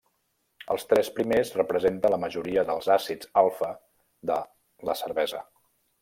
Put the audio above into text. Els tres primers representen la majoria dels àcids alfa de la cervesa.